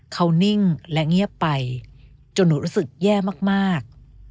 เขานิ่งและเงียบไปจนหนูรู้สึกแย่มาก